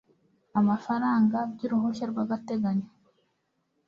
amafaranga by uruhushya rwagateganyo